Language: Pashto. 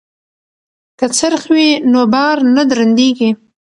که څرخ وي نو بار نه درندیږي.